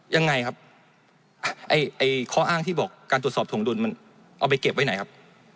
ยังไงครับไอ้ข้ออ้างที่บอกการตรวจสอบถวงดุลมันเอาไปเก็บไว้ไหนครับ